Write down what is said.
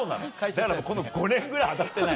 だから５年ぐらい当たってない。